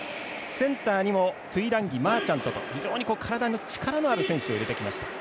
センターにもトゥイランギマーチャントと力のある選手を入れてきました。